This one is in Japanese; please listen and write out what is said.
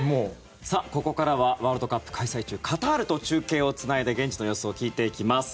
ここからはワールドカップ開催中カタールと中継をつないで現地の様子を聞いていきます。